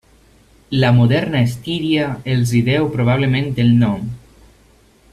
La moderna Estíria els hi deu probablement el nom.